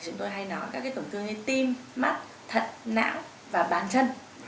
chúng tôi hay nói các tổn thương như tim mắc thận não và bàn chân